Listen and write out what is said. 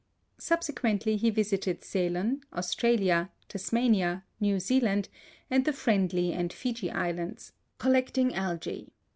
Subsequently he visited Ceylon, Australia, Tasmania, New Zealand, and the Friendly and Fiji Islands, collecting algae.